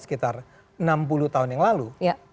sekitar enam puluh tahun yang lalu